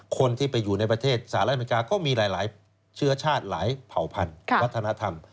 คนที่ไปอยู่ในประเทศสหรัฐอเมริกาก็มีหลายเชื้อชาติหลายเผ่าพันธุ์วัฒนธรรม